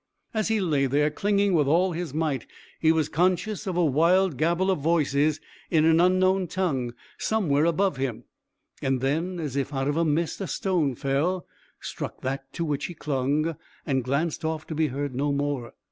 As he lay there clinging with all his might he was conscious of a wild gabble of voices in an unknown tongue, somewhere above him, and then as if out of a mist a stone fell, struck that to which he clung, and glanced off, to be heard no more.